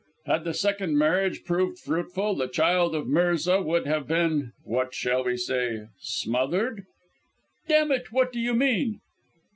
Had the second marriage proved fruitful, the child of Mirza would have been what shall we say? smothered?" "Damn it! What do you mean?"